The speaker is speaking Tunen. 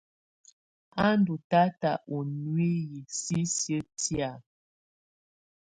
A ndɔ̀ tata ɔ̀ nuiyii sisiǝ́ tɛ̀á.